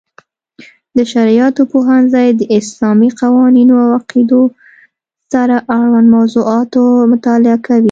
د شرعیاتو پوهنځی د اسلامي قوانینو او عقیدو سره اړوند موضوعاتو مطالعه کوي.